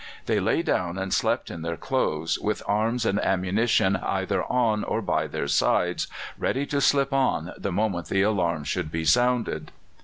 They lay down and slept in their clothes, with arms and ammunition either on or by their sides, ready to slip on the moment the alarm should be sounded.